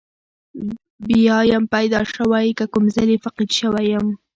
بیا یم پیدا شوی که کوم ځلې فقید شوی یم.